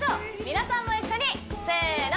皆さんも一緒にせの！